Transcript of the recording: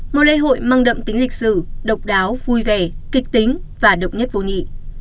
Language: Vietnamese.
một lễ hội mang đậm tính lịch sử độc đáo vui vẻ kịch tính và độc nhất vô nhị